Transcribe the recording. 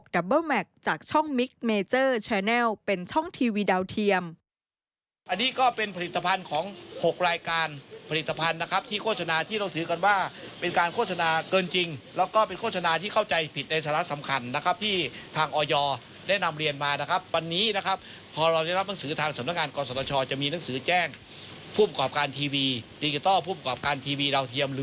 เบอร์แมคจากช่องมิกเมเจอร์แชนัลเป็นช่องทีวีดาวเทียม